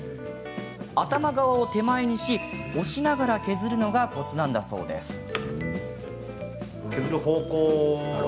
頭側を手前にし押しながら削るのがコツなんだそうです。